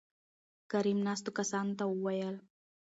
کريم : ناستو کسانو ته وويل